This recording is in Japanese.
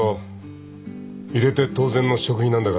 入れて当然の食費なんだから。